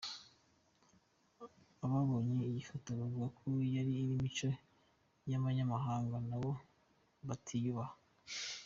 Ababonye iyi foto, bavuga ko iyi ari imico y’abanyamahanga nabo batiyubaha.